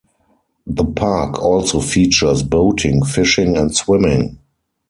The park also features boating, fishing, and swimming.